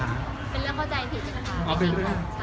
เป็นเรื่องเข้าใจผิดขนาดนั้น